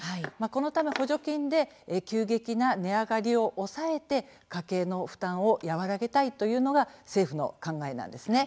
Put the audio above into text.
このため補助金で急激な値上がりを抑えて家計の負担を和らげたいというのが政府の考えなんですね。